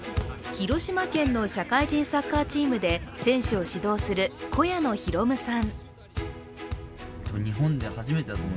広島県の社会人サッカーチームで選手を指導する小谷野拓夢さん。